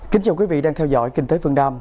kính chào quý vị đang theo dõi kinh tế phương nam